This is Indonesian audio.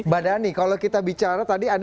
mbak dhani kalau kita bicara tadi